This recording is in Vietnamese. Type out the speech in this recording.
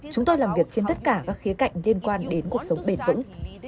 chúng tôi làm việc trên tất cả các khía cạnh liên quan đến cuộc sống bền vững